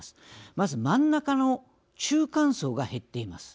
まず真ん中の中間層が減っています。